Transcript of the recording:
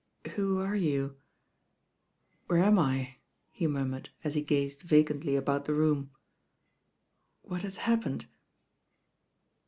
'^ "Who are you? Where am I?" he murmured as he gazed vacantly about the room. "What has happened?"